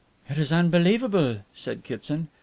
"It is unbelievable," said Kitson.